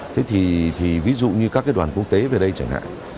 thế thì ví dụ như các cái đoàn quốc tế về đây chẳng hạn